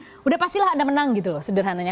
sudah pastilah anda menang gitu loh sederhananya